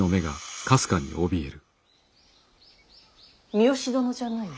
三善殿じゃないの？